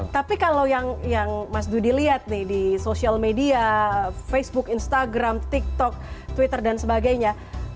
jadi kalau kita lihat pasangan yang mas dudi lihat nih di social media facebook instagram tiktok twitter dan sebagainya